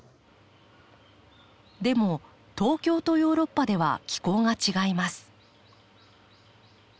でも東京とヨーロッパでは気候が違います。